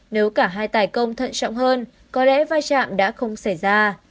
nếu cả hai tài công thận trọng hơn có lẽ vai trạm đã không xảy ra